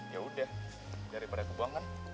yaudah daripada kebuangan